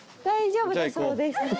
大丈夫だそうです。